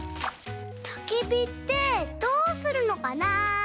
たきびってどうするのかな？